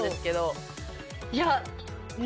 いや。